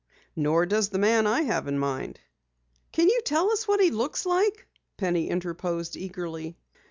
"Nor does the man I have in mind." "Can you tell us what he looks like?" Penny interposed eagerly.